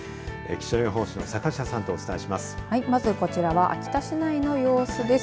気象予報士の坂下さんとお伝えします。